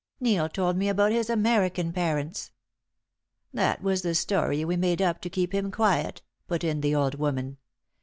Neil told me about his American parents " "That was the story we made up to keep him quiet," put in the old woman.